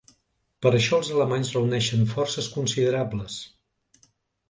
Per això els alemanys reuneixen forces considerables.